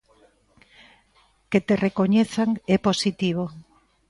Que te recoñezan é positivo.